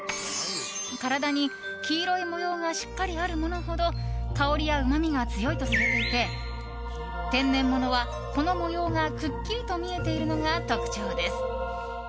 体に黄色い模様がしっかりあるものほど香りやうまみが強いとされていて天然物はこの模様がくっきりと見えているのが特徴です。